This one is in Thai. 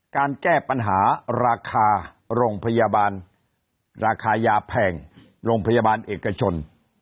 แก้ปัญหาราคาโรงพยาบาลราคายาแพงโรงพยาบาลเอกชน